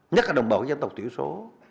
nhất là đồng bào của dân tộc tử số